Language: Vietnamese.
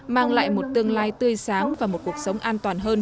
mang lại một tương lai tươi sáng và một cuộc sống an toàn hơn